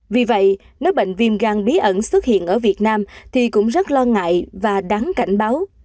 vì vậy nếu bệnh viêm gan bí ẩn xuất hiện ở việt nam thì cũng rất lo ngại và đáng cảnh báo